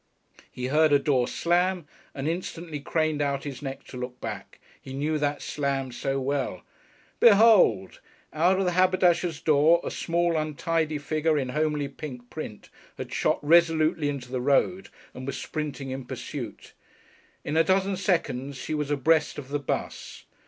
He heard a door slam, and instantly craned out his neck to look back. He knew that slam so well. Behold! out of the haberdasher's door a small, untidy figure in homely pink print had shot resolutely into the road, and was sprinting in pursuit. In a dozen seconds she was abreast of the bus.